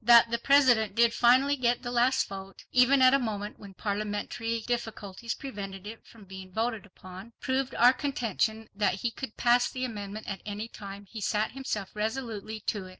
That the President did finally get the last vote even at a moment when parliamentary difficulties prevented it from being voted upon, proved our contention that he could pass the amendment at any time he set himself resolutely to it.